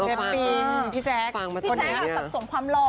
เชฟปิงพี่แจ๊กพี่แจ๊กสะสมความหล่อ